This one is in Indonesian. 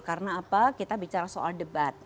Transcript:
karena apa kita bicara soal debat